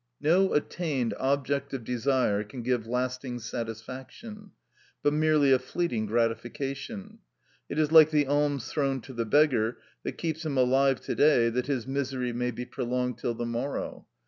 No attained object of desire can give lasting satisfaction, but merely a fleeting gratification; it is like the alms thrown to the beggar, that keeps him alive to day that his misery may be prolonged till the morrow.